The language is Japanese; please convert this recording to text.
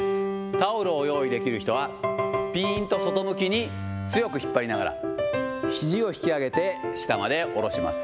タオルを用意できる人は、ぴーんと外向きに強く引っ張りながら、ひじを引き上げて、下まで下ろします。